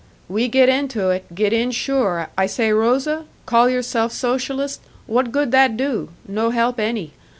"We get into it get in sure. I say Rosa, 'Call yourself Socialist what good that do? No help any.